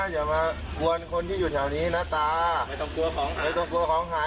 อย่ามากวนคนที่อยู่แถวนี้นะตาไม่ต้องกลัวของหายต้องกลัวของหาย